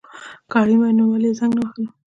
که اړين وای نو ولي يي زنګ نه وهلو